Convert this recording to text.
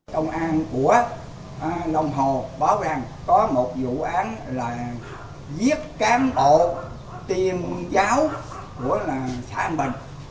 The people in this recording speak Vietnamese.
thông an của long hồ báo rằng có một vụ án là giết cán bộ tuyên giáo của xã an bình